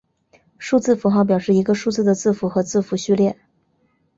数字符号表示一个数字的字符和字符序列。